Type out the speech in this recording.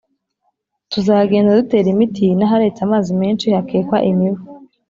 tuzagenda dutera imiti n'aharetse amazi menshi hakekwa imibu